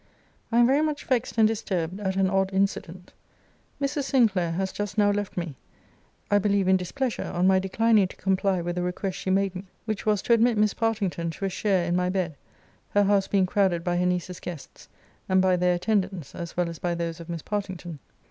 I am very much vexed and disturbed at an odd incident. Mrs. Sinclair has just now left me; I believe in displeasure, on my declining to comply with a request she made me: which was, to admit Miss Partington to a share in my bed, her house being crowded by her nieces's guests and by their attendants, as well as by those of Miss Partington.